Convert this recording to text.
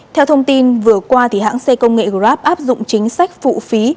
theo thông tin vừa qua hãng xe công nghệ grab áp dụng chính sách phụ phí